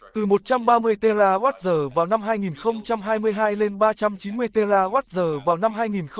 từ một trăm ba mươi terawatt giờ vào năm hai nghìn hai mươi hai lên ba trăm chín mươi terawatt giờ vào năm hai nghìn ba mươi